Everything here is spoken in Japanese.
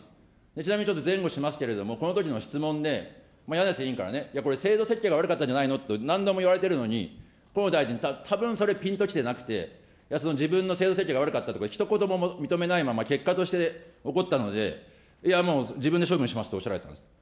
ちなみにちょっと前後しますけれども、このときの質問で、やなせ委員からね、いや、これ、制度設計が悪かったんじゃないのと、何度もいわれてるのに、河野大臣、たぶんそれ、ぴんと来てなくて、いや、その自分の制度設計が悪かったとかひと言も認めないまま結果として起こったので、いやもう、自分で処分しますとおっしゃられています。